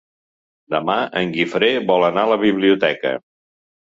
Demà en Guifré vol anar a la biblioteca.